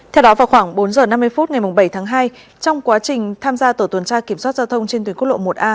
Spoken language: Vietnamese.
theo đó vào khoảng bốn h năm mươi phút ngày bảy tháng hai trong quá trình tham gia tổ tuần tra kiểm soát giao thông trên tuyến quốc lộ một a